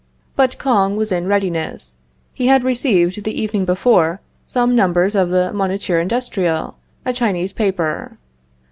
But Kouang was in readiness. He had received, the evening before, some numbers of the Moniteur Industriel, a Chinese paper.